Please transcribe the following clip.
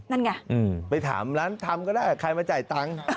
นั่นไงไปถามร้านทำก็ได้ใครมาจ่ายตังค์